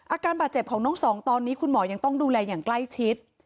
อาการบาดเจ็บของน้องสองตอนนี้คุณหมอยังต้องดูแลอย่างใกล้ชิด